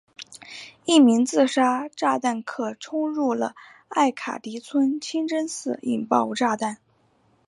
一名自杀炸弹客冲入了艾卡迪村清真寺引爆炸弹。